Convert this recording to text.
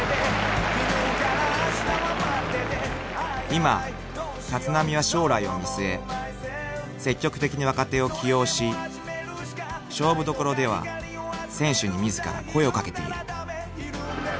［今立浪は将来を見据え積極的に若手を起用し勝負どころでは選手に自ら声をかけている］